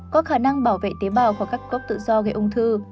có khả năng bảo vệ tế bào của các gốc tự do gây ung thư